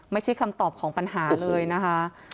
ไม่ใช่คำตอบของปัญหาเลยนะคะ